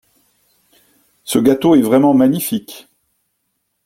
Ce gâteau est vraiment magnifique.